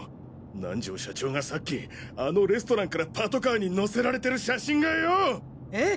南條社長がさっきあのレストランからパトカーに乗せられてる写真がよ！え？